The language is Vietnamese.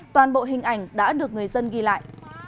toàn bộ hình ảnh đã được người dân ghi lại